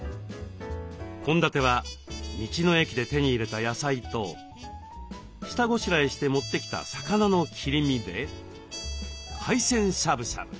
献立は道の駅で手に入れた野菜と下ごしらえして持ってきた魚の切り身で海鮮しゃぶしゃぶ。